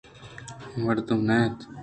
اے مردم نہ اَنت